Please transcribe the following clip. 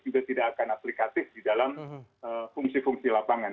juga tidak akan aplikatif di dalam fungsi fungsi lapangan